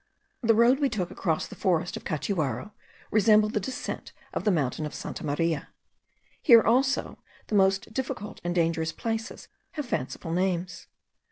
The road we took across the forest of Catuaro resembled the descent of the mountain Santa Maria; here also, the most difficult and dangerous places have fanciful names.